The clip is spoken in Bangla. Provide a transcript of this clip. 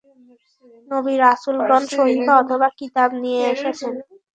নবী-রাসূলগণ সহীফা অথবা কিতাব নিয়ে এসেছেন।